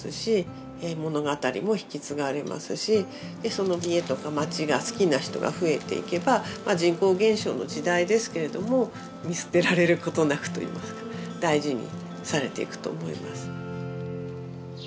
その家とか街が好きな人が増えていけば人口減少の時代ですけれども見捨てられることなくといいますか大事にされていくと思います。